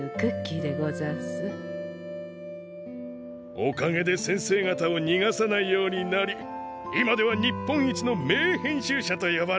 おかげで先生方をにがさないようになり今では日本一の名編集者と呼ばれるまでになりました。